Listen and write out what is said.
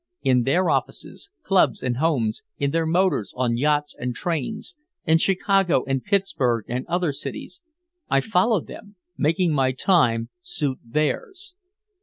In their offices, clubs and homes, in their motors, on yachts and trains, in Chicago and Pittsburgh and other cities, I followed them, making my time suit theirs.